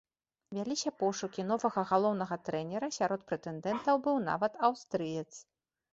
Вяліся пошукі новага галоўнага трэнера, сярод прэтэндэнтаў быў нават аўстрыец.